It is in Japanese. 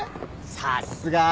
さっすが。